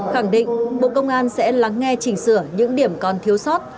khẳng định bộ công an sẽ lắng nghe chỉnh sửa những điểm còn thiếu sót